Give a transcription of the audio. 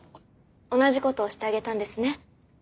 同じことをしてあげたんですね。